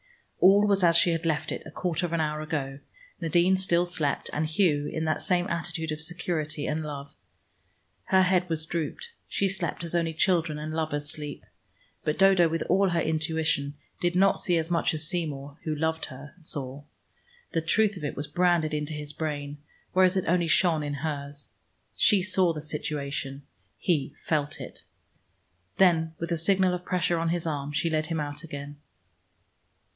All was as she had left it a quarter of an hour ago; Nadine still slept and Hugh, in that same attitude of security and love. Her head was drooped; she slept as only children and lovers sleep. But Dodo with all her intuition did not see as much as Seymour, who loved her, saw. The truth of it was branded into his brain, whereas it only shone in hers. She saw the situation: he felt it. Then with a signal of pressure on his arm, she led him out again.